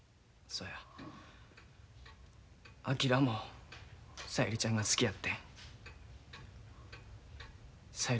そやけど僕も小百合ちゃんが好きや。